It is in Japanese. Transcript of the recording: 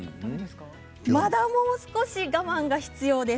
まだ、もう少し我慢が必要です。